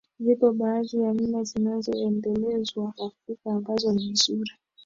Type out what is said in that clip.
Zipo baadhi ya mila zinazoendelezwa Afrika ambazo ni nzuri